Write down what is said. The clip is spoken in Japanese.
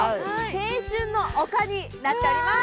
青春の丘になっております